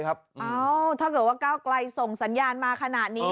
อ้าวถ้าเกล้ากลายจะส่งสัญญาณนี้